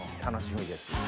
楽しみです。